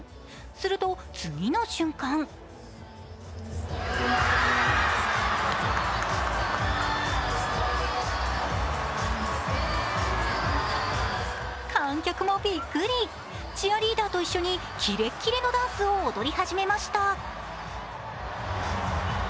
すると、次の瞬間観客もびっくり、チアリーダーと一緒にキレッキレのダンスを踊り始めました。